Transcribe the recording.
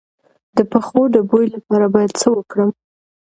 د پښو د بوی لپاره باید څه وکړم؟